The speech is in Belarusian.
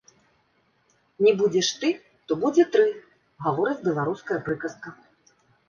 Не будзеш ты, то будзе тры, гаворыць беларуская прыказка.